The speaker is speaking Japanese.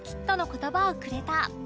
言葉をくれた